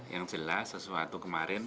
yang jelas sesuatu kemarin